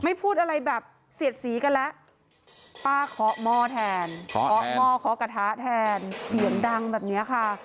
ไม่พูดอะไรแบบเสียดสีกันแล้วป้าขอหมอแทนขอหมอกระทะแทนเสียงดังแบบนี้ค่ะ